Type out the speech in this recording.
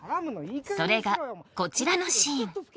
それがこちらのシーン